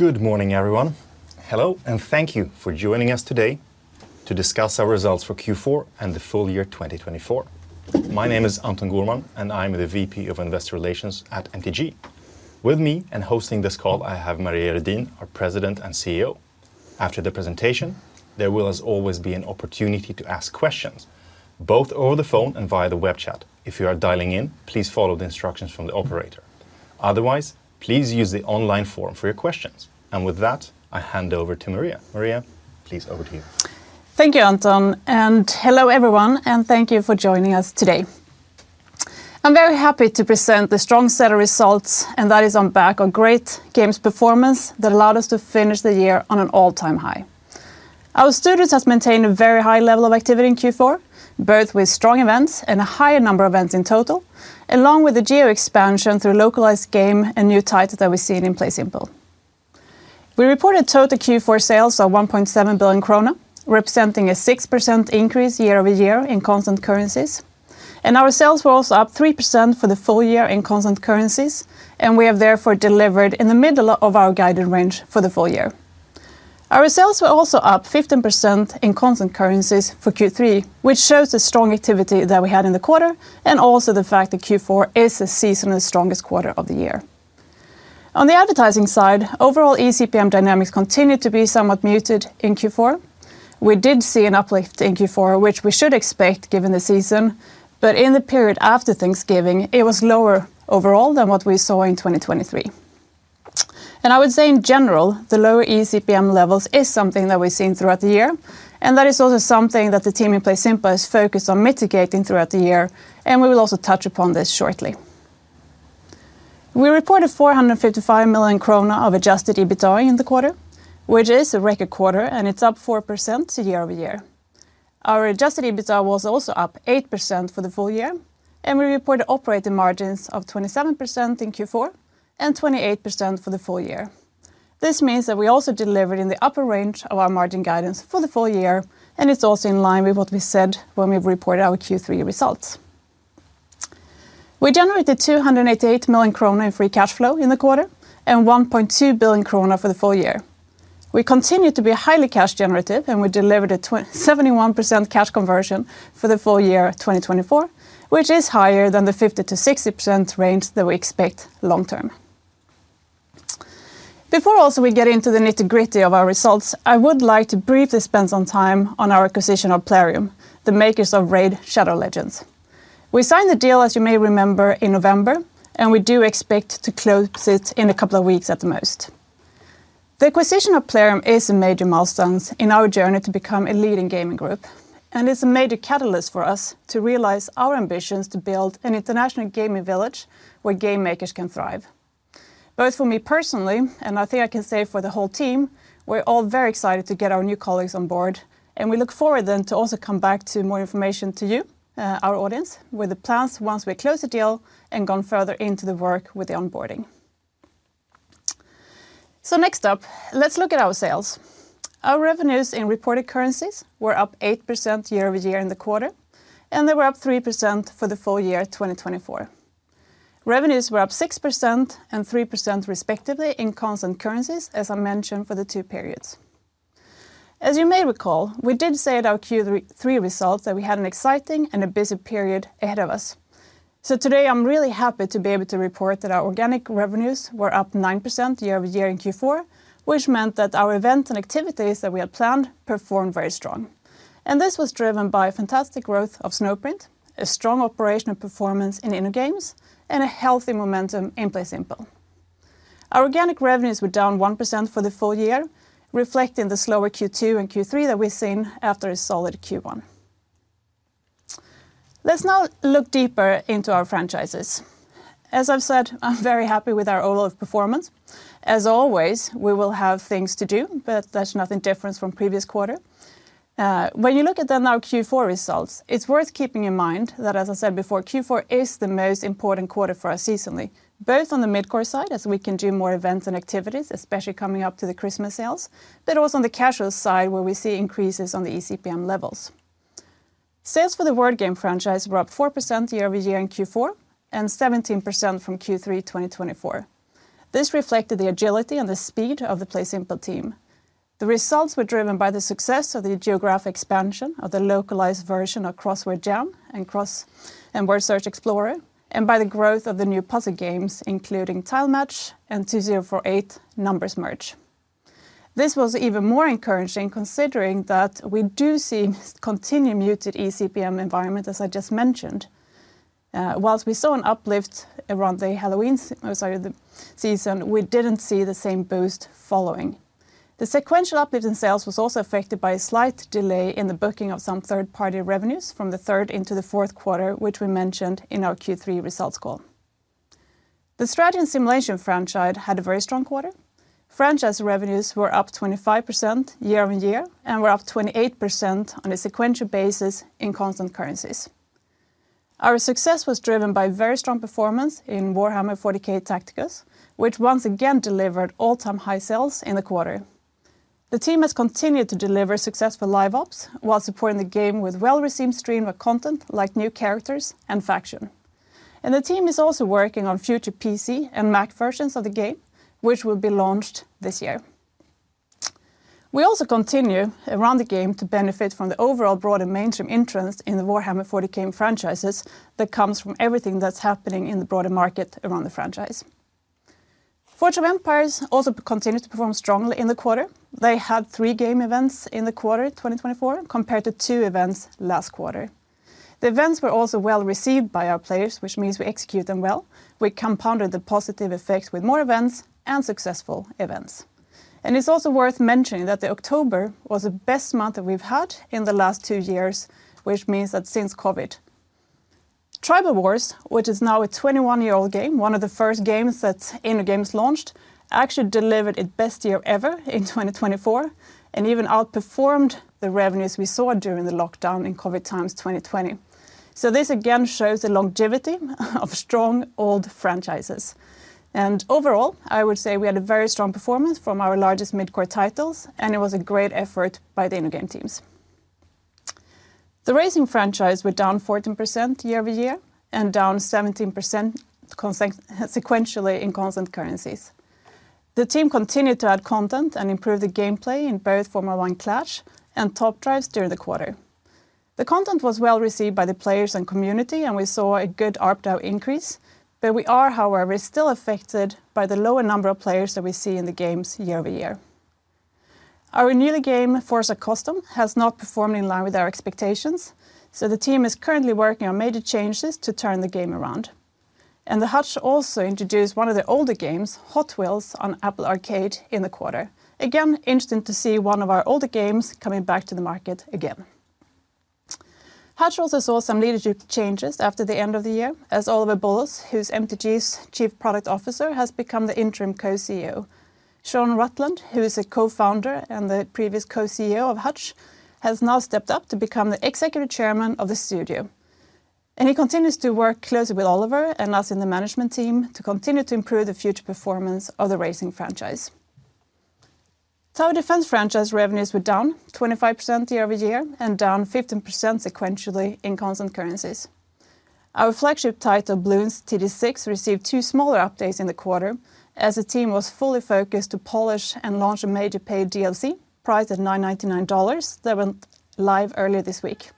Good morning, everyone. Hello, and thank you for joining us today to discuss our results for Q4 and the full year 2024. My name is Anton Gourman, and I'm the VP of Investor Relations at MTG. With me and hosting this call, I have Maria Redin, our President and CEO. After the presentation, there will, as always, be an opportunity to ask questions, both over the phone and via the web chat. If you are dialing in, please follow the instructions from the operator. Otherwise, please use the online form for your questions. And with that, I hand over to Maria. Maria, please over to you. Thank you, Anton. Hello, everyone, and thank you for joining us today. I'm very happy to present the strong quarter results, and that is on back of great games' performance that allowed us to finish the year on an all-time high. Our studios have maintained a very high level of activity in Q4, both with strong events and a higher number of events in total, along with the geo-expansion through localized game and new titles that we've seen in PlaySimple. We reported total Q4 sales of 1.7 billion krona, representing a 6% increase year over year in constant currencies. Our sales were also up 3% for the full year in constant currencies, and we have therefore delivered in the middle of our guided range for the full year. Our sales were also up 15% in constant currencies for Q3, which shows the strong activity that we had in the quarter and also the fact that Q4 is the seasonally strongest quarter of the year. On the advertising side, overall eCPM dynamics continued to be somewhat muted in Q4. We did see an uplift in Q4, which we should expect given the season, but in the period after Thanksgiving, it was lower overall than what we saw in 2023. And I would say, in general, the lower eCPM levels is something that we've seen throughout the year, and that is also something that the team in PlaySimple has focused on mitigating throughout the year, and we will also touch upon this shortly. We reported 455 million krona of Adjusted EBITDA in the quarter, which is a record quarter, and it's up 4% year over year. Our Adjusted EBITDA was also up 8% for the full year, and we reported operating margins of 27% in Q4 and 28% for the full year. This means that we also delivered in the upper range of our margin guidance for the full year, and it's also in line with what we said when we reported our Q3 results. We generated 288 million kronor in free cash flow in the quarter and 1.2 billion kronor for the full year. We continue to be highly cash generative, and we delivered a 71% cash conversion for the full year 2024, which is higher than the 50%-60% range that we expect long-term. Before also we get into the nitty-gritty of our results, I would like to briefly spend some time on our acquisition of Plarium, the makers of Raid: Shadow Legends. We signed the deal, as you may remember, in November, and we do expect to close it in a couple of weeks at the most. The acquisition of Plarium is a major milestone in our journey to become a leading gaming group, and it's a major catalyst for us to realize our ambitions to build an international gaming village where game makers can thrive. Both for me personally, and I think I can say for the whole team, we're all very excited to get our new colleagues on board, and we look forward then to also come back to more information to you, our audience, with the plans once we close the deal and go further into the work with the onboarding. So next up, let's look at our sales. Our revenues in reported currencies were up 8% year over year in the quarter, and they were up 3% for the full year 2024. Revenues were up 6% and 3% respectively in constant currencies, as I mentioned for the two periods. As you may recall, we did say at our Q3 results that we had an exciting and a busy period ahead of us. So today, I'm really happy to be able to report that our Organic Revenues were up 9% year over year in Q4, which meant that our events and activities that we had planned performed very strong. And this was driven by a fantastic growth of Snowprint, a strong operational performance in InnoGames, and a healthy momentum in PlaySimple. Our Organic Revenues were down 1% for the full year, reflecting the slower Q2 and Q3 that we've seen after a solid Q1. Let's now look deeper into our franchises. As I've said, I'm very happy with our overall performance. As always, we will have things to do, but that's nothing different from previous quarter. When you look at then our Q4 results, it's worth keeping in mind that, as I said before, Q4 is the most important quarter for us seasonally, both on the mid-core side, as we can do more events and activities, especially coming up to the Christmas sales, but also on the casual side where we see increases on the eCPM levels. Sales for the Word Game franchise were up 4% year over year in Q4 and 17% from Q3 2024. This reflected the agility and the speed of the PlaySimple team. The results were driven by the success of the geographic expansion of the localized version of Crossword Jam and Crossword Search Explorer, and by the growth of the new puzzle games, including Tile Match and 2048 Numbers Merge. This was even more encouraging considering that we do see continued muted eCPM environment, as I just mentioned. While we saw an uplift around the Halloween season, we didn't see the same boost following. The sequential uplift in sales was also affected by a slight delay in the booking of some third-party revenues from the third into the fourth quarter, which we mentioned in our Q3 results call. The Strategy and Simulation franchise had a very strong quarter. Franchise revenues were up 25% year over year and were up 28% on a sequential basis in constant currencies. Our success was driven by very strong performance in Warhammer 40,000: Tacticus, which once again delivered all-time high sales in the quarter. The team has continued to deliver successful live-ops while supporting the game with well-received streaming content like new characters and factions, and the team is also working on future PC and Mac versions of the game, which will be launched this year. We also continue around the game to benefit from the overall broader mainstream interest in the Warhammer 40,000 franchise that comes from everything that's happening in the broader market around the franchise. Forge of Empires also continued to perform strongly in the quarter. They had three game events in the quarter 2024 compared to two events last quarter. The events were also well received by our players, which means we execute them well. We compounded the positive effects with more events and successful events. It's also worth mentioning that October was the best month that we've had in the last two years, which means that since COVID. Tribal Wars, which is now a 21-year-old game, one of the first games that InnoGames launched, actually delivered its best year ever in 2024 and even outperformed the revenues we saw during the lockdown in COVID times 2020. So this again shows the longevity of strong old franchises. And overall, I would say we had a very strong performance from our largest mid-core titles, and it was a great effort by the InnoGames teams. The Racing franchise were down 14% year over year and down 17% sequentially in constant currencies. The team continued to add content and improve the gameplay in both Formula 1 Clash and Top Drives during the quarter. The content was well received by the players and community, and we saw a good ARPDAU increase, but we are, however, still affected by the lower number of players that we see in the games year over year. Our new game Forza Customs has not performed in line with our expectations, so the team is currently working on major changes to turn the game around. And Hutch also introduced one of their older games, Hot Wheels, on Apple Arcade in the quarter. Again, interesting to see one of our older games coming back to the market again. Hutch also saw some leadership changes after the end of the year, as Oliver Bulloss, who's MTG's Chief Product Officer, has become the interim co-CEO. Shaun Rutland, who is a co-founder and the previous co-CEO of Hutch, has now stepped up to become the executive chairman of the studio. And he continues to work closely with Oliver and us in the management team to continue to improve the future performance of the Racing franchise. Tower Defense franchise revenues were down 25% year over year and down 15% sequentially in constant currencies. Our flagship title, Bloons TD 6, received two smaller updates in the quarter, as the team was fully focused to polish and launch a major paid DLC priced at $999 that went live earlier this week.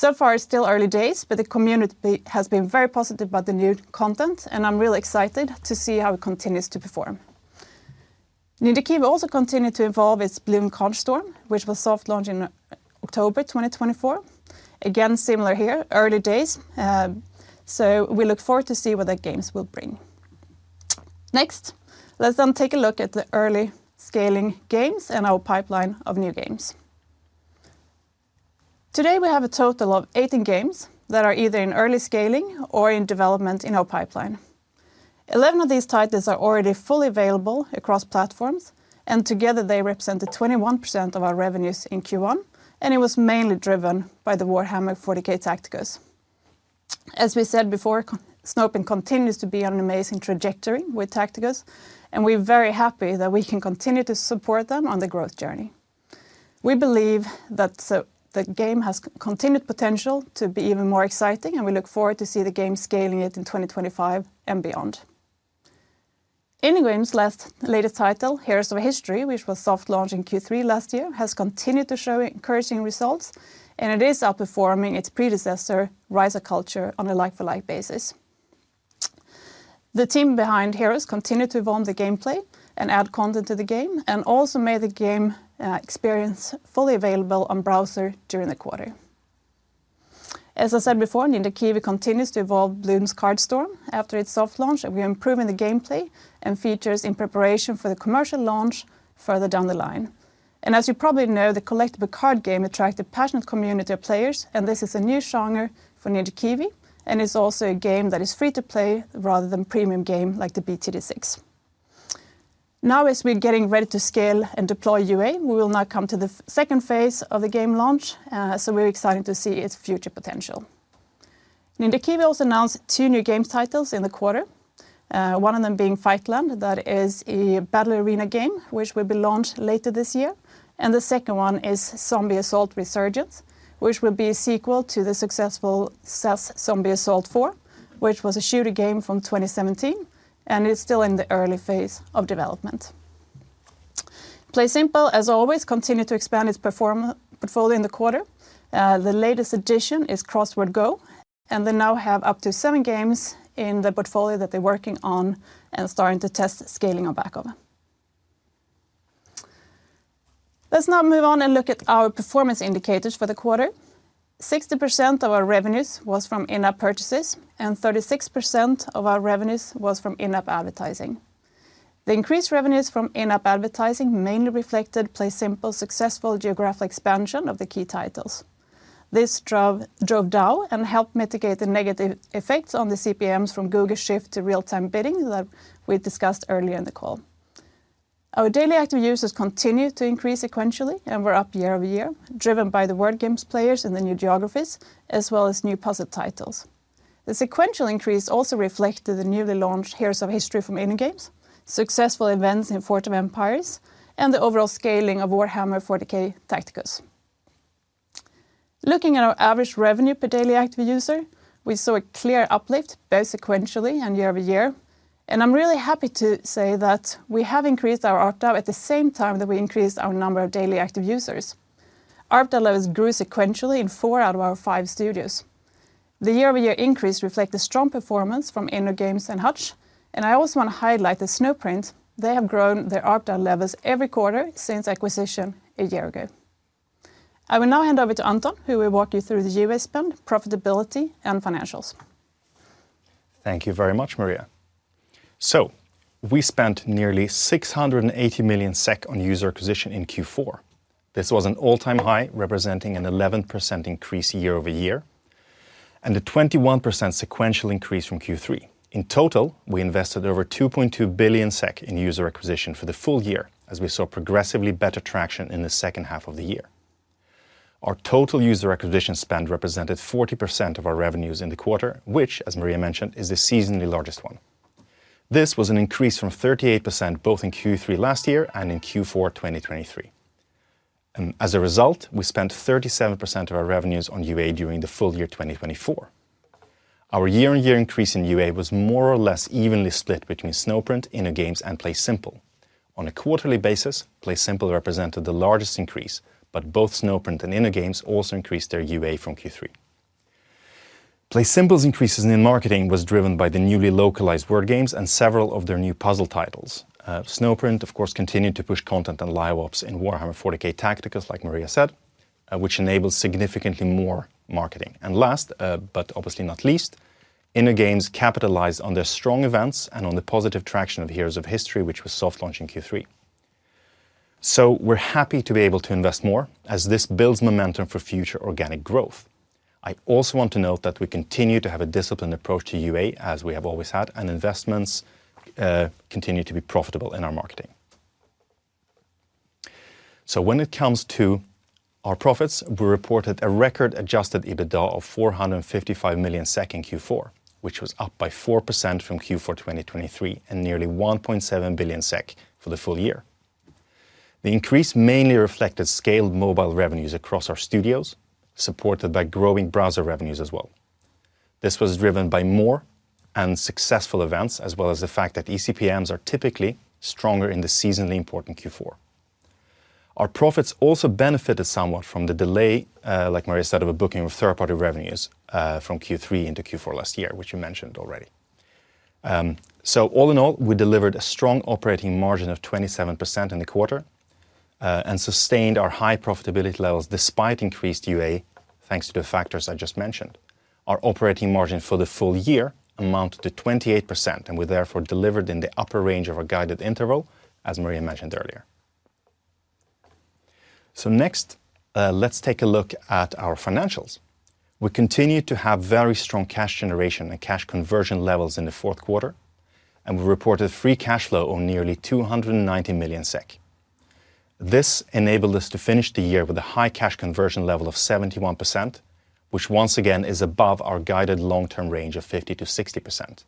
So far, it's still early days, but the community has been very positive about the new content, and I'm really excited to see how it continues to perform. Ninja Kiwi also continued to evolve its Bloons Card Storm, which was soft launched in October 2024. Again, similar here, early days. So we look forward to seeing what the games will bring. Next, let's then take a look at the early scaling games and our pipeline of new games. Today, we have a total of 18 games that are either in early scaling or in development in our pipeline. 11 of these titles are already fully available across platforms, and together they represented 21% of our revenues in Q1, and it was mainly driven by the Warhammer 40,000: Tacticus. As we said before, Snowprint continues to be on an amazing trajectory with Tactics, and we're very happy that we can continue to support them on the growth journey. We believe that the game has continued potential to be even more exciting, and we look forward to seeing the game scaling in 2025 and beyond. InnoGames' latest title, Heroes of History, which was soft launched in Q3 last year, has continued to show encouraging results, and it is outperforming its predecessor, Rise of Cultures, on a like-for-like basis. The team behind Heroes continued to evolve the gameplay and add content to the game, and also made the game experience fully available on browser during the quarter. As I said before, Ninja Kiwi continues to evolve Bloons Card Storm after its soft launch, and we are improving the gameplay and features in preparation for the commercial launch further down the line, and as you probably know, the collectible card game attracted a passionate community of players, and this is a new genre for Ninja Kiwi, and it's also a game that is free to play rather than a premium game like the BTD6. Now, as we're getting ready to scale and deploy UA, we will now come to the second phase of the game launch, so we're excited to see its future potential. Ninja Kiwi also announced two new game titles in the quarter, one of them being Fight League, that is a battle arena game, which will be launched later this year, and the second one is SAS: Zombie Assault Resurgence, which will be a sequel to the successful SAS Zombie Assault 4, which was a shooter game from 2017, and it's still in the early phase of development. PlaySimple, as always, continued to expand its portfolio in the quarter. The latest addition is Crossword Go, and they now have up to seven games in the portfolio that they're working on and starting to test scaling on back of. Let's now move on and look at our performance indicators for the quarter. 60% of our revenues was from in-app purchases, and 36% of our revenues was from in-app advertising. The increased revenues from in-app advertising mainly reflected PlaySimple's successful geographic expansion of the key titles. This drove down and helped mitigate the negative effects on the CPMs from Google's shift to real-time bidding that we discussed earlier in the call. Our daily active users continued to increase sequentially and were up year over year, driven by the word game players in the new geographies, as well as new puzzle titles. The sequential increase also reflected the newly launched Heroes of History from InnoGames, successful events in Forge of Empires, and the overall scaling of Warhammer 40,000: Tacticus. Looking at our average revenue per daily active user, we saw a clear uplift both sequentially and year over year. I'm really happy to say that we have increased our ARPDAU at the same time that we increased our number of daily active users. ARPDAU levels grew sequentially in four out of our five studios. The year-over-year increase reflects the strong performance from InnoGames and Hutch, and I also want to highlight the Snowprint. They have grown their ARPDAU levels every quarter since acquisition a year ago. I will now hand over to Anton, who will walk you through the UA spend, profitability, and financials. Thank you very much, Maria. We spent nearly 680 million SEK on user acquisition in Q4. This was an all-time high, representing an 11% increase year over year and a 21% sequential increase from Q3. In total, we invested over 2.2 billion SEK in user acquisition for the full year, as we saw progressively better traction in the second half of the year. Our total user acquisition spend represented 40% of our revenues in the quarter, which, as Maria mentioned, is the seasonally largest one. This was an increase from 38% both in Q3 last year and in Q4 2023. As a result, we spent 37% of our revenues on UA during the full year 2024. Our year-on-year increase in UA was more or less evenly split between Snowprint, InnoGames, and PlaySimple. On a quarterly basis, PlaySimple represented the largest increase, but both Snowprint and InnoGames also increased their UA from Q3. PlaySimple's increases in marketing were driven by the newly localized word games and several of their new puzzle titles. Snowprint, of course, continued to push content and live-ops in Warhammer 40,000: Tacticus, like Maria said, which enabled significantly more marketing. And last, but obviously not least, InnoGames capitalized on their strong events and on the positive traction of Heroes of History, which was soft launched in Q3. So we're happy to be able to invest more, as this builds momentum for future organic growth. I also want to note that we continue to have a disciplined approach to UA, as we have always had, and investments continue to be profitable in our marketing. So when it comes to our profits, we reported a record Adjusted EBITDA of 455 million SEK in Q4, which was up by 4% from Q4 2023 and nearly 1.7 billion SEK for the full year. The increase mainly reflected scaled mobile revenues across our studios, supported by growing browser revenues as well. This was driven by more and successful events, as well as the fact that eCPMs are typically stronger in the seasonally important Q4. Our profits also benefited somewhat from the delay, like Maria said, of a booking of third-party revenues from Q3 into Q4 last year, which you mentioned already. So all in all, we delivered a strong operating margin of 27% in the quarter and sustained our high profitability levels despite increased UA, thanks to the factors I just mentioned. Our operating margin for the full year amounted to 28%, and we therefore delivered in the upper range of our guided interval, as Maria mentioned earlier. So next, let's take a look at our financials. We continue to have very strong cash generation and cash conversion levels in the fourth quarter, and we reported free cash flow of nearly 290 million SEK. This enabled us to finish the year with a high cash conversion level of 71%, which once again is above our guided long-term range of 50%-60%.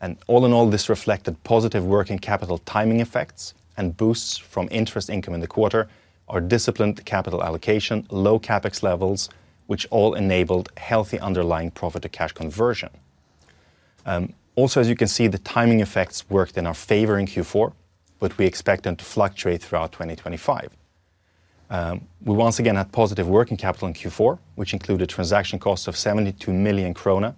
And all in all, this reflected positive working capital timing effects and boosts from interest income in the quarter, our disciplined capital allocation, low CapEx levels, which all enabled healthy underlying profit-to-cash conversion. Also, as you can see, the timing effects worked in our favor in Q4, but we expect them to fluctuate throughout 2025. We once again had positive working capital in Q4, which included transaction costs of 72 million krona,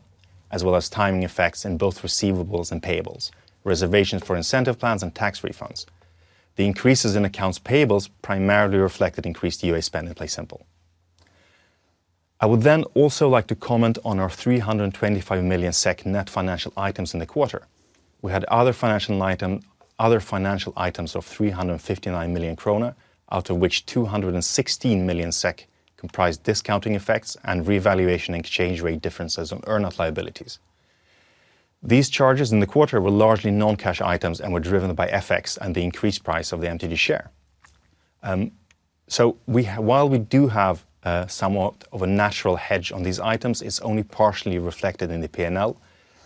as well as timing effects in both receivables and payables, reservations for incentive plans and tax refunds. The increases in accounts payables primarily reflected increased UA spend in PlaySimple. I would then also like to comment on our 325 million SEK net financial items in the quarter. We had other financial items of 359 million krona, out of which 216 million SEK comprised discounting effects and revaluation exchange rate differences on earn-out liabilities. These charges in the quarter were largely non-cash items and were driven by FX and the increased price of the MTG share. So while we do have somewhat of a natural hedge on these items, it's only partially reflected in the P&L,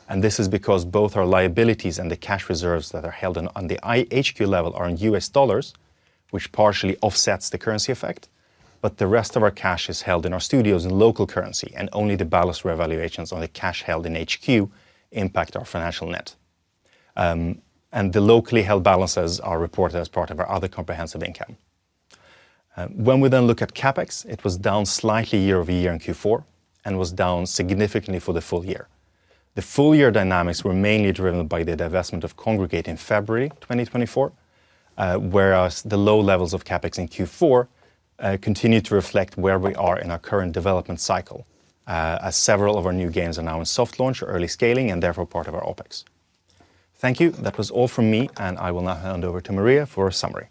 and this is because both our liabilities and the cash reserves that are held on the HQ level are in U.S. dollars, which partially offsets the currency effect, but the rest of our cash is held in our studios in local currency, and only the balance revaluations on the cash held in HQ impact our financial net. And the locally held balances are reported as part of our other comprehensive income. When we then look at CapEx, it was down slightly year over year in Q4 and was down significantly for the full year. The full year dynamics were mainly driven by the divestment of Kongregate in February 2024, whereas the low levels of CapEx in Q4 continue to reflect where we are in our current development cycle, as several of our new games are now in soft launch or early scaling and therefore part of our OPEX. Thank you. That was all from me, and I will now hand over to Maria for a summary.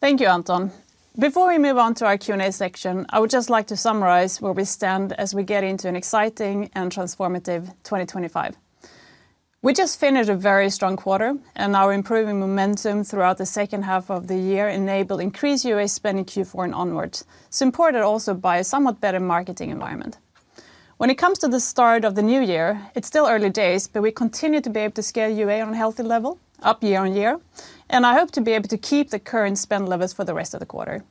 Thank you, Anton. Before we move on to our Q&A section, I would just like to summarize where we stand as we get into an exciting and transformative 2025. We just finished a very strong quarter, and our improving momentum throughout the second half of the year enabled increased UA spend in Q4 and onwards, supported also by a somewhat better marketing environment. When it comes to the start of the new year, it's still early days, but we continue to be able to scale UA on a healthy level, up year on year, and I hope to be able to keep the current spend levels for the rest of the quarter.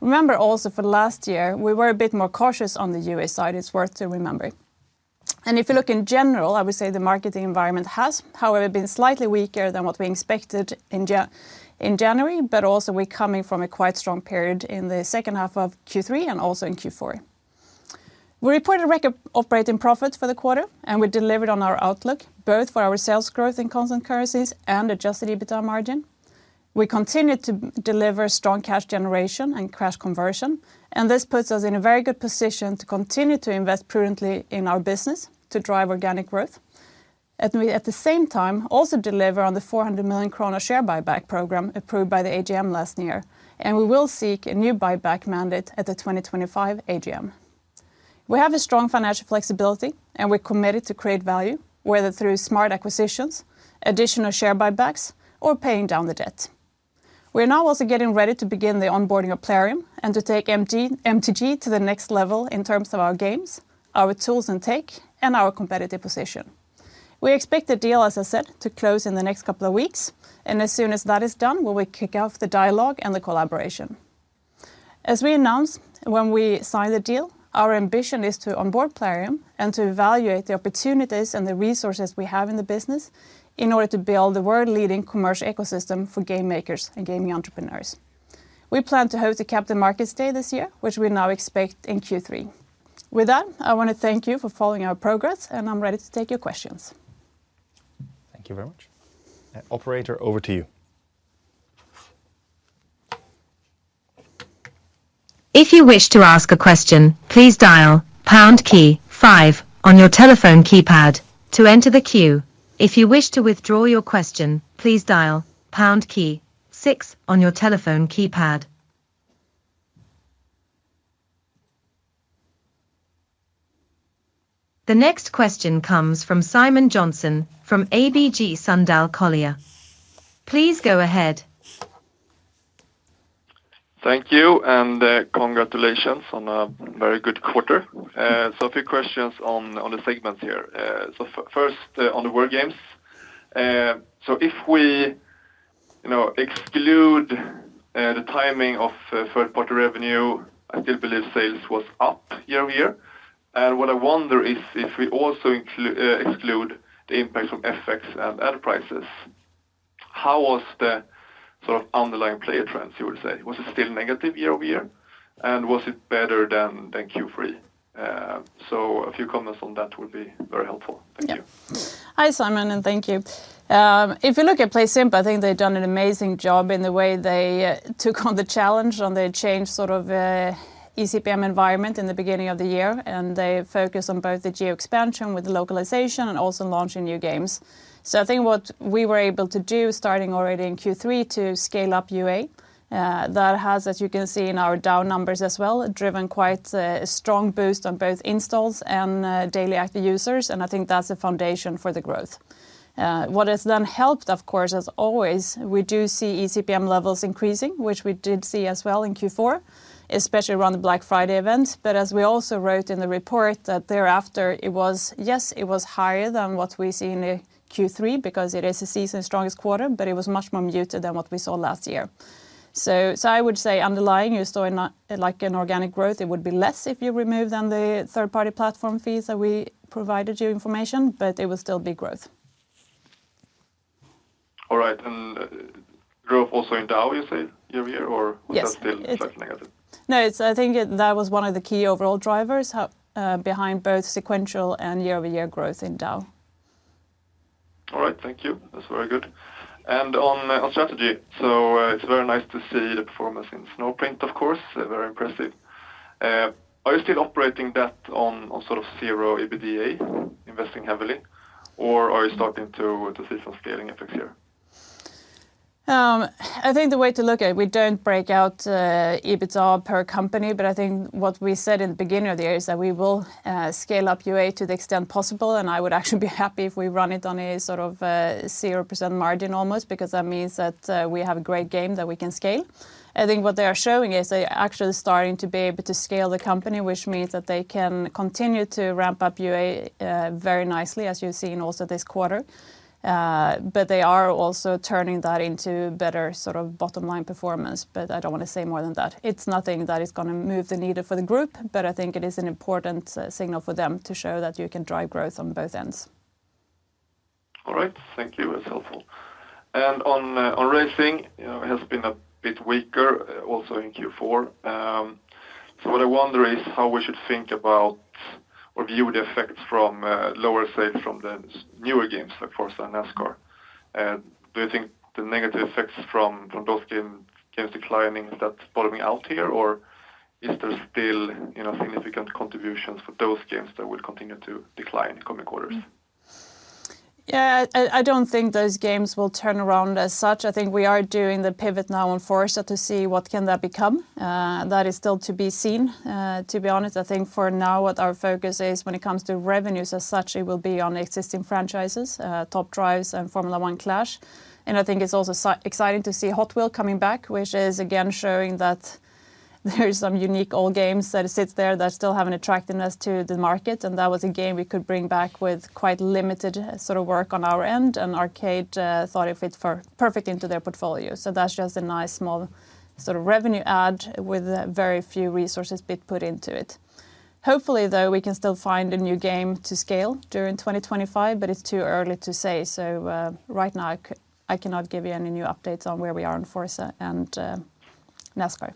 Remember also for last year, we were a bit more cautious on the UA side, it's worth to remember, and if you look in general, I would say the marketing environment has, however, been slightly weaker than what we expected in January, but also we're coming from a quite strong period in the second half of Q3 and also in Q4. We reported record operating profit for the quarter, and we delivered on our outlook, both for our sales growth in constant currencies and Adjusted EBITDA margin. We continue to deliver strong cash generation and cash conversion, and this puts us in a very good position to continue to invest prudently in our business to drive organic growth. At the same time, we also deliver on the 400 million krona share buyback program approved by the AGM last year, and we will seek a new buyback mandate at the 2025 AGM. We have a strong financial flexibility, and we're committed to create value, whether through smart acquisitions, additional share buybacks, or paying down the debt. We are now also getting ready to begin the onboarding of Plarium and to take MTG to the next level in terms of our games, our tools intake, and our competitive position. We expect the deal, as I said, to close in the next couple of weeks, and as soon as that is done, we will kick off the dialogue and the collaboration. As we announced when we signed the deal, our ambition is to onboard Plarium and to evaluate the opportunities and the resources we have in the business in order to build the world-leading commercial ecosystem for game makers and gaming entrepreneurs. We plan to host the Capital Markets Day this year, which we now expect in Q3. With that, I want to thank you for following our progress, and I'm ready to take your questions. Thank you very much. Operator, over to you. If you wish to ask a question, please dial pound key five on your telephone keypad to enter the queue. If you wish to withdraw your question, please dial pound key six on your telephone keypad. The next question comes from Simon Jönsson from ABG Sundal Collier. Please go ahead. Thank you, and congratulations on a very good quarter. So a few questions on the segments here. So first, on the word games. So if we exclude the timing of third-party revenue, I still believe sales was up year over year. And what I wonder is if we also exclude the impact from FX and ad prices, how was the sort of underlying player trends, you would say? Was it still negative year over year, and was it better than Q3? So a few comments on that would be very helpful. Thank you. Hi, Simon, and thank you. If you look at PlaySimple, I think they've done an amazing job in the way they took on the challenge and they changed sort of eCPM environment in the beginning of the year, and they focused on both the geo-expansion with the localization and also launching new games. So I think what we were able to do, starting already in Q3, to scale up UA, that has, as you can see in our DAU numbers as well, driven quite a strong boost on both installs and daily active users, and I think that's a foundation for the growth. What has then helped, of course, as always, we do see eCPM levels increasing, which we did see as well in Q4, especially around the Black Friday event. But as we also wrote in the report that thereafter, it was, yes, it was higher than what we see in Q3 because it is a season's strongest quarter, but it was much more muted than what we saw last year. So I would say underlying, you're still in like an organic growth. It would be less if you remove then the third-party platform fees that we provided you information, but it will still be growth. All right, and growth also in DAU, you say, year over year, or was that still negative? No, I think that was one of the key overall drivers behind both sequential and year-over-year growth in DAU. All right, thank you. That's very good. On strategy, so it's very nice to see the performance in Snowprint, of course, very impressive. Are you still operating that on sort of zero EBITDA, investing heavily, or are you starting to see some scaling effects here? I think the way to look at it, we don't break out EBITDA per company, but I think what we said in the beginning of the year is that we will scale up UA to the extent possible, and I would actually be happy if we run it on a sort of 0% margin almost, because that means that we have a great game that we can scale. I think what they are showing is they're actually starting to be able to scale the company, which means that they can continue to ramp up UA very nicely, as you've seen also this quarter, but they are also turning that into better sort of bottom-line performance, but I don't want to say more than that. It's nothing that is going to move the needle for the group, but I think it is an important signal for them to show that you can drive growth on both ends. All right, thank you, it's helpful. And on racing, it has been a bit weaker also in Q4. So what I wonder is how we should think about or view the effects from lower sales from the newer games, like Forza and NASCAR. Do you think the negative effects from those games declining is that bottoming out here, or is there still significant contributions for those games that will continue to decline in coming quarters? Yeah, I don't think those games will turn around as such. I think we are doing the pivot now on Forza to see what can that become. That is still to be seen. To be honest, I think for now what our focus is when it comes to revenues as such, it will be on existing franchises, Top Drives and F1 Clash. And I think it's also exciting to see Hot Wheels coming back, which is again showing that there is some unique old games that sit there that still have an attractiveness to the market, and that was a game we could bring back with quite limited sort of work on our end, and Arcade thought it fit perfectly into their portfolio. So that's just a nice small sort of revenue add with very few resources being put into it. Hopefully, though, we can still find a new game to scale during 2025, but it's too early to say. So right now, I cannot give you any new updates on where we are on Forza and NASCAR.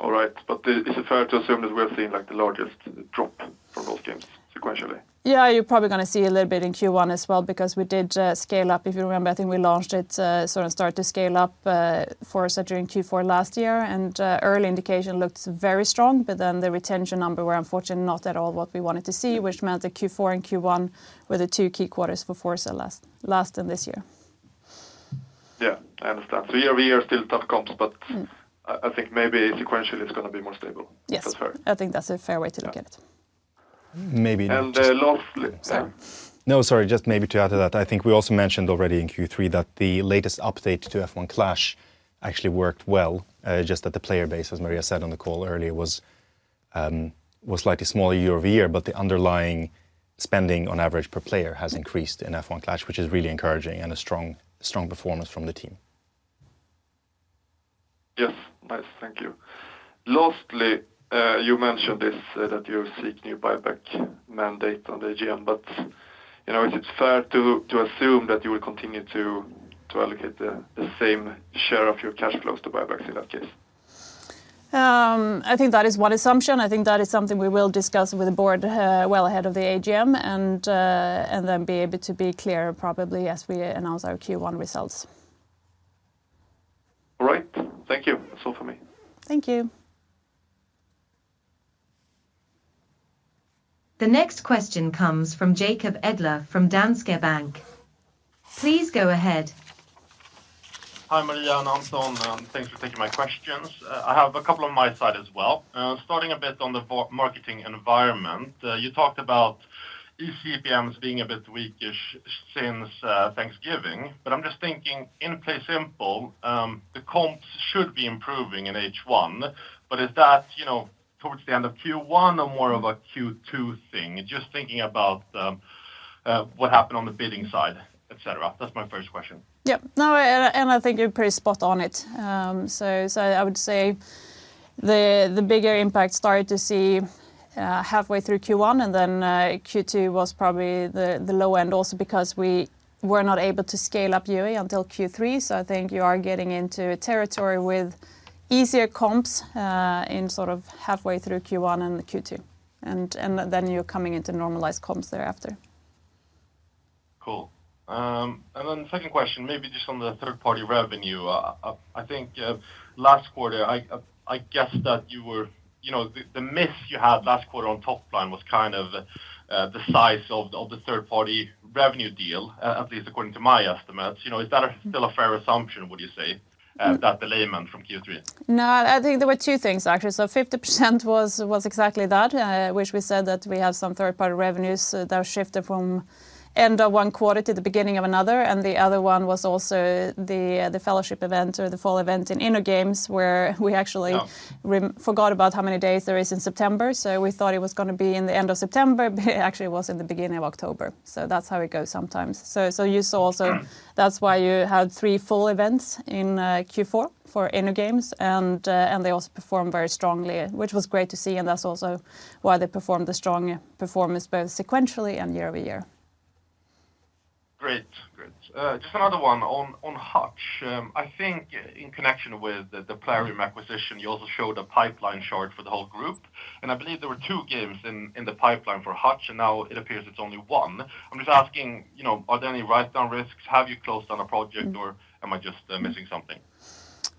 All right, but is it fair to assume that we're seeing like the largest drop from those games sequentially? Yeah, you're probably going to see a little bit in Q1 as well, because we did scale up. If you remember, I think we launched it, sort of started to scale up Forza during Q4 last year, and early indication looked very strong, but then the retention number was unfortunately not at all what we wanted to see, which meant that Q4 and Q1 were the two key quarters for Forza last in this year. Yeah, I understand. So year over year still tough comps, but I think maybe sequentially it's going to be more stable. Yes, I think that's a fair way to look at it. Maybe not. And lastly. No, sorry, just maybe to add to that, I think we also mentioned already in Q3 that the latest update to F1 Clash actually worked well, just that the player base, as Maria said on the call earlier, was slightly smaller year over year, but the underlying spending on average per player has increased in F1 Clash, which is really encouraging and a strong performance from the team. Yes, nice, thank you. Lastly, you mentioned this that you seek new buyback mandate on the AGM, but is it fair to assume that you will continue to allocate the same share of your cash flows to buybacks in that case? I think that is one assumption. I think that is something we will discuss with the board well ahead of the AGM and then be able to be clearer probably as we announce our Q1 results. All right, thank you. That's all from me. Thank you. The next question comes from Jacob Edler from Danske Bank. Please go ahead. Hi Maria, and thanks for taking my questions. I have a couple on my side as well. Starting a bit on the marketing environment, you talked about eCPMs being a bit weakish since Thanksgiving, but I'm just thinking in PlaySimple, the comps should be improving in H1, but is that towards the end of Q1 or more of a Q2 thing, just thinking about what happened on the bidding side, etc.? That's my first question. Yep, no, and I think you're pretty spot on it. So I would say the bigger impact started to see halfway through Q1, and then Q2 was probably the low end also because we were not able to scale up UA until Q3. So I think you are getting into a territory with easier comps in sort of halfway through Q1 and Q2, and then you're coming into normalized comps thereafter. Cool. And then second question, maybe just on the third-party revenue. I think last quarter, I guess the miss you had last quarter on top line was kind of the size of the third-party revenue deal, at least according to my estimates. Is that still a fair assumption, would you say, that the lag in Q3? No, I think there were two things, actually. So 50% was exactly that, which we said that we have some third-party revenues that shifted from end of one quarter to the beginning of another. And the other one was also the fellowship event or the fall event in InnoGames, where we actually forgot about how many days there is in September. So we thought it was going to be in the end of September, but actually it was in the beginning of October. So that's how it goes sometimes. So you saw also that's why you had three full events in Q4 for InnoGames, and they also performed very strongly, which was great to see. And that's also why they performed the strong performance both sequentially and year over year. Great, great. Just another one on Hutch. I think in connection with the Plarium acquisition, you also showed a pipeline chart for the whole group, and I believe there were two games in the pipeline for Hutch, and now it appears it's only one. I'm just asking, are there any write-down risks? Have you closed on a project, or am I just missing something?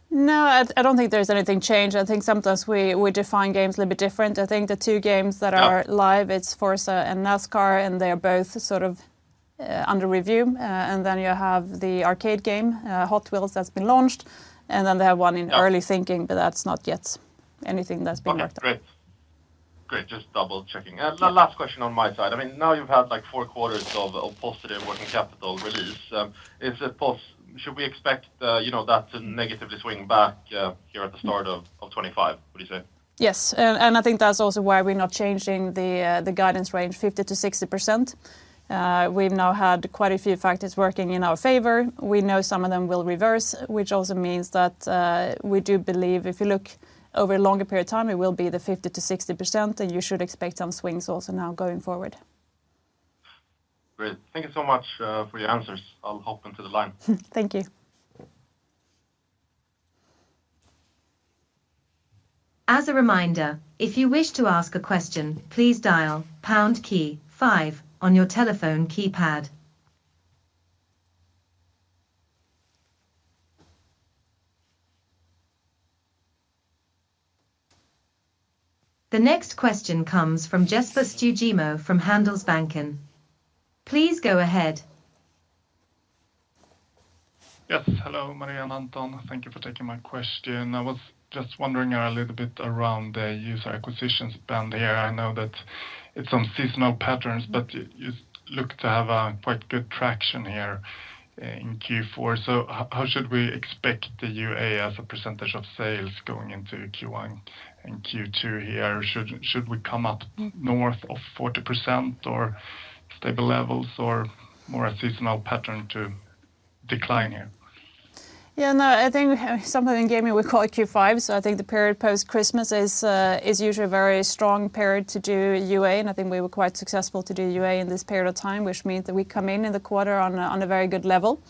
No, I don't think there's anything changed. I think sometimes we define games a little bit different. I think the two games that are live, it's Forza and NASCAR, and they are both sort of under review. And then you have the arcade game, Hot Wheels, that's been launched, and then they have one in early thinking, but that's not yet anything that's been worked on. Great, great, just double-checking. Last question on my side. I mean, now you've had like four quarters of positive working capital release. Should we expect that to negatively swing back here at the start of 2025, would you say? Yes, and I think that's also why we're not changing the guidance range, 50%-60%. We've now had quite a few factors working in our favor. We know some of them will reverse, which also means that we do believe if you look over a longer period of time, it will be the 50%-60%, and you should expect some swings also now going forward. Great, thank you so much for your answers. I'll hop into the line. Thank you. As a reminder, if you wish to ask a question, please dial pound key five on your telephone keypad. The next question comes from Jesper Stugemo from Handelsbanken. Please go ahead. Yes, hello Maria and Anton, thank you for taking my question. I was just wondering a little bit around the user acquisition spend here. I know that it's some seasonal patterns, but you look to have quite good traction here in Q4. So how should we expect the UA as a percentage of sales going into Q1 and Q2 here? Should we come up north of 40% or stable levels or more? A seasonal pattern to decline here? Yeah, no, I think something in gaming we call it Q5. So I think the period post-Christmas is usually a very strong period to do UA, and I think we were quite successful to do UA in this period of time, which means that we come in in the quarter on a very good level.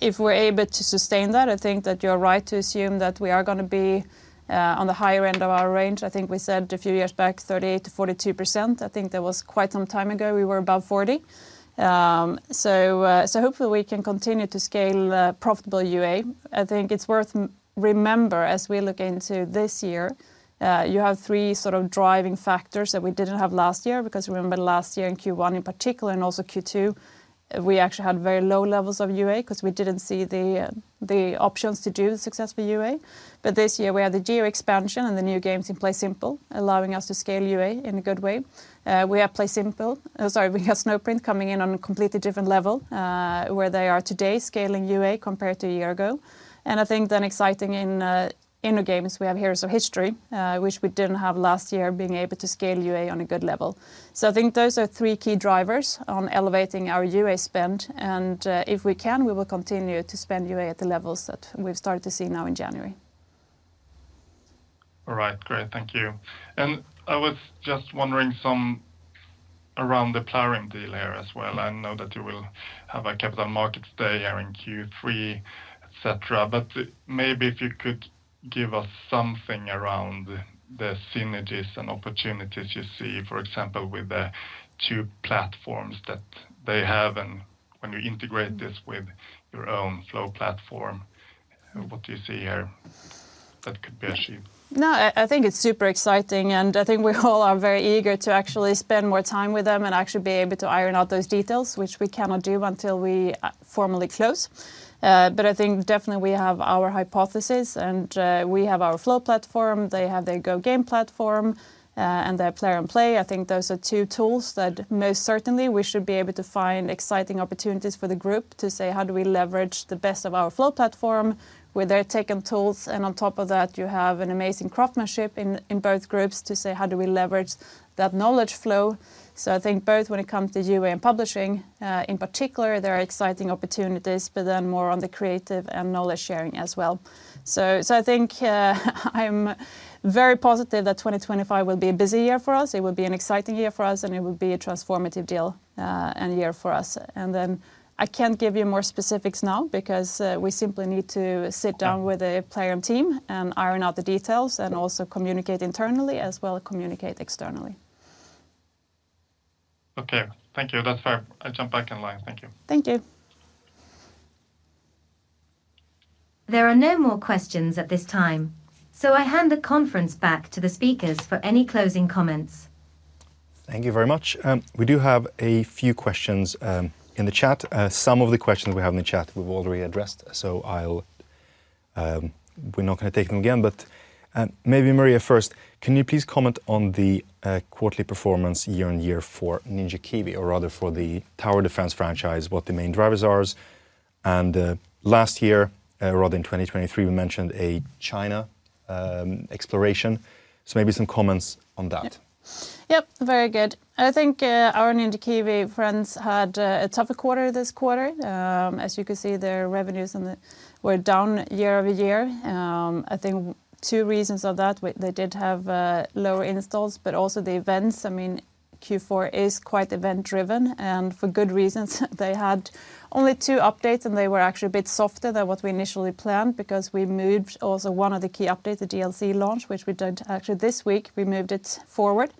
If we're able to sustain that, I think that you're right to assume that we are going to be on the higher end of our range. I think we said a few years back, 38%-42%. I think that was quite some time ago. We were above 40%. So hopefully we can continue to scale profitable UA. I think it's worth remembering as we look into this year, you have three sort of driving factors that we didn't have last year because remember last year in Q1 in particular and also Q2, we actually had very low levels of UA because we didn't see the options to do successful UA. But this year we have the geo expansion and the new games in PlaySimple, allowing us to scale UA in a good way. We have PlaySimple, sorry, we have Snowprint coming in on a completely different level where they are today scaling UA compared to a year ago. And I think then exciting in InnoGames, we have Heroes of History, which we didn't have last year being able to scale UA on a good level. I think those are three key drivers on elevating our UA spend, and if we can, we will continue to spend UA at the levels that we've started to see now in January. All right, great, thank you. I was just wondering some around the Plarium deal here as well. I know that you will have a Capital Markets Day here in Q3, etc., but maybe if you could give us something around the synergies and opportunities you see, for example, with the two platforms that they have, and when you integrate this with your own Flow Platform, what do you see here that could be achieved? No, I think it's super exciting, and I think we all are very eager to actually spend more time with them and actually be able to iron out those details, which we cannot do until we formally close. But I think definitely we have our hypotheses, and we have our Flow Platform. They have their GoGame platform and their Plarium Play. I think those are two tools that most certainly we should be able to find exciting opportunities for the group to say, how do we leverage the best of our Flow Platform with their tech and tools? And on top of that, you have an amazing craftsmanship in both groups to say, how do we leverage that knowledge flow? So I think both when it comes to UA and publishing in particular, there are exciting opportunities, but then more on the creative and knowledge sharing as well. So I think I'm very positive that 2025 will be a busy year for us. It will be an exciting year for us, and it will be a transformative deal and year for us. And then I can't give you more specifics now because we simply need to sit down with a Plarium team and iron out the details and also communicate internally as well as communicate externally. Okay, thank you. That's fair. I'll jump back in line. Thank you. Thank you. There are no more questions at this time, so I hand the conference back to the speakers for any closing comments. Thank you very much. We do have a few questions in the chat. Some of the questions we have in the chat we've already addressed, so we're not going to take them again. But maybe Maria first, can you please comment on the quarterly performance year on year for Ninja Kiwi, or rather for the Tower Defense franchise, what the main drivers are? And last year, rather than 2023, we mentioned a China exploration. So maybe some comments on that. Yep, very good. I think our Ninja Kiwi friends had a tougher quarter this quarter. As you can see, their revenues were down year over year. I think two reasons of that. They did have lower installs, but also the events. I mean, Q4 is quite event-driven, and for good reasons. They had only two updates, and they were actually a bit softer than what we initially planned because we moved also one of the key updates, the DLC launch, which we did actually this week. We moved it forward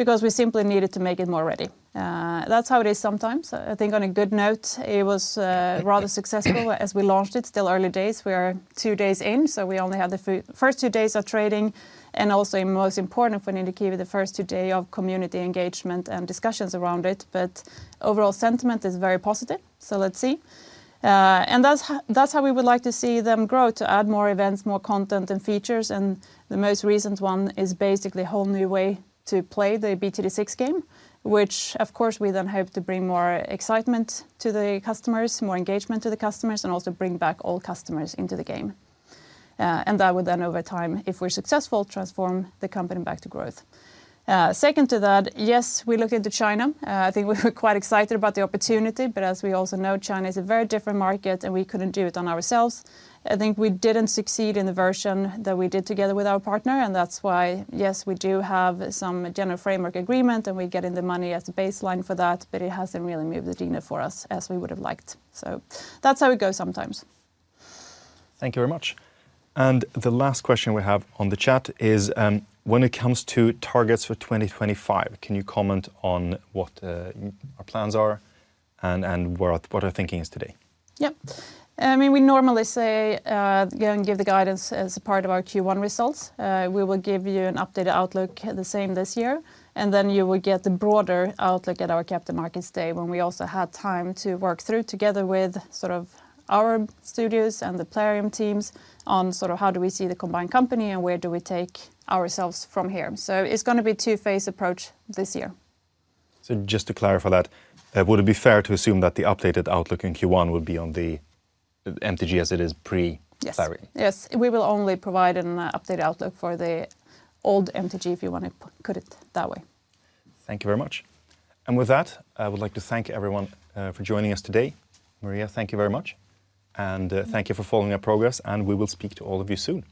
because we simply needed to make it more ready. That's how it is sometimes. I think on a good note, it was rather successful as we launched it. Still early days. We are two days in, so we only had the first two days of trading and also, most important for Ninja Kiwi, the first two days of community engagement and discussions around it, but overall sentiment is very positive, so let's see, and that's how we would like to see them grow to add more events, more content and features, and the most recent one is basically a whole new way to play the BTD6 game, which of course we then hope to bring more excitement to the customers, more engagement to the customers, and also bring back all customers into the game, and that would then over time, if we're successful, transform the company back to growth. Second to that, yes, we look into China. I think we were quite excited about the opportunity, but as we also know, China is a very different market and we couldn't do it on our own. I think we didn't succeed in the version that we did together with our partner, and that's why yes, we do have some general framework agreement and we're getting the money as a baseline for that, but it hasn't really moved the needle for us as we would have liked. So that's how it goes sometimes. Thank you very much, and the last question we have on the chat is when it comes to targets for 2025, can you comment on what our plans are and what our thinking is today? Yep, I mean, we normally say go and give the guidance as a part of our Q1 results. We will give you an updated outlook the same this year, and then you will get the broader outlook at our Capital Markets Day when we also had time to work through together with sort of our studios and the Plarium teams on sort of how do we see the combined company and where do we take ourselves from here. So it's going to be a two-phase approach this year. So just to clarify that, would it be fair to assume that the updated outlook in Q1 will be on the MTG as it is pre-Plarium? Yes, yes, we will only provide an updated outlook for the old MTG if you want to put it that way. Thank you very much, and with that, I would like to thank everyone for joining us today. Maria, thank you very much, and thank you for following our progress, and we will speak to all of you soon.